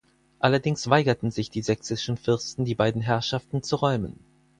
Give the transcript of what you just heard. Allerdings weigerten sich die sächsischen Fürsten die beiden Herrschaften zu räumen.